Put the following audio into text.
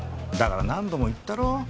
だから何度も言ったろ。